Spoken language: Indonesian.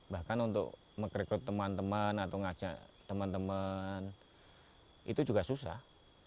bahkan untuk meng record teman teman atau mengajak teman teman itu juga susah